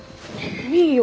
いいよ。